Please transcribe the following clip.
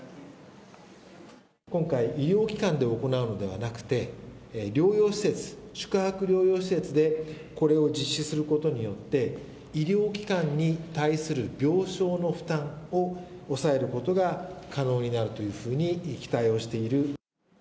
今回、医療機関で行うのではなくて、療養施設、宿泊療養施設で、これを実施することによって、医療機関に対する病床の負担を抑えることが可能になるというふうに期待をしている。